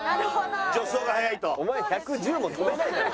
お前１１０も跳べないだろ。